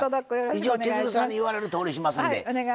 一応、千鶴さんに言われるとおりしますんで。